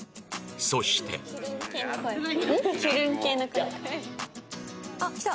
そしてあっ来た！